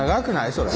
それ。